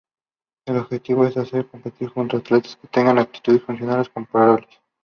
El objetivo es de hacer competir juntos a atletas que tengan aptitudes funcionales comparables.